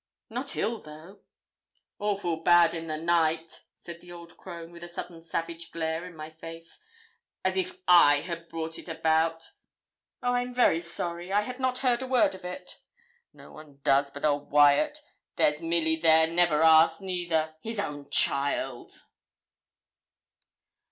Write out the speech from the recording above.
'Not ill, though?' 'Awful bad in the night,' said the old crone, with a sudden savage glare in my face, as if I had brought it about. 'Oh! I'm very sorry. I had not heard a word of it.' 'No one does but old Wyat. There's Milly there never asks neither his own child!'